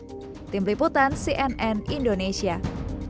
selain itu hak honor untuk umbaran juga sama dengan kontributor lainnya di jawa tengah